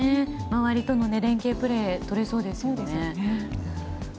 周りとも連係プレーがとれそうですよね。